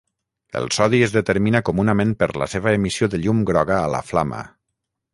El sodi es determina comunament per la seva emissió de llum groga a la flama.